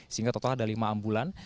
sehingga total ada lima ambulan